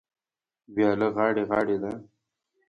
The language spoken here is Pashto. وياله غاړې غاړې ده.